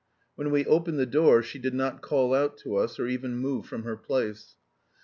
When we opened the door she did not call out to us or even move from her place.